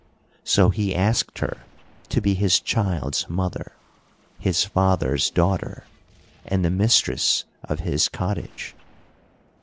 So he asked her to be his child's mother, his father's daughter, and the mistress of his cottage.